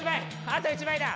あと１枚だ！